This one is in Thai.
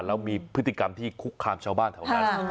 แล้วมีพฤติกรรมที่คุกคามชาวบ้านแถวนั้น